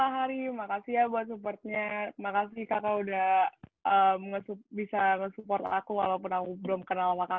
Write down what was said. hari makasih ya buat supportnya makasih kakak udah bisa nge support aku walaupun aku belum kenal sama kakak